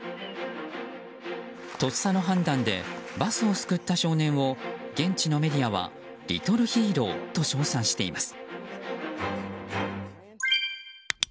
とっさの判断でバスを救った少年を現地のメディアはリトルヒーローと称賛しています。